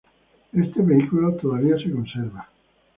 Este vehículo todavía se conserva.